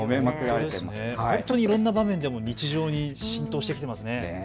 いろんな場面でも日常に浸透してきていますね。